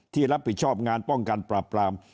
ที่รับผิดชอบงานป้องกันปราบปราม